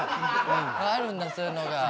あるんだそういうのが。